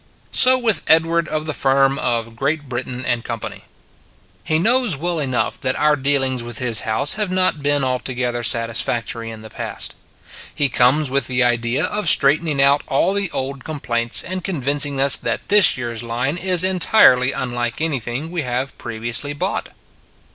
So with Edward of the firm of Great Britain and Co. He knows well enough that our dealings with his House have not been altogether satisfactory in the past. He comes with the idea of straightening out all the old complaints and convincing us that this year s line is entirely unlike anything we have previously bought.